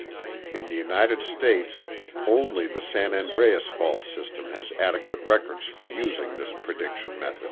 In the United States, only the San Andreas fault system has adequate records for using this prediction method.